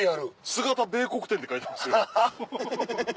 「菅田米穀店」って書いてますよ。